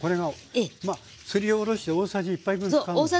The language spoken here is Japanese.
すりおろして大さじ１杯分使うんですね。